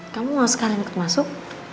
kamu mau sekarang ikut masuk